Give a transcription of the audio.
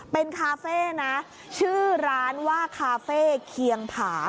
เป็นคาเฟ่นะชื่อร้านว่าคาเฟ่เคียงผา